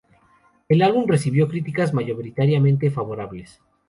El álbum recibió críticas mayoritariamente favorables.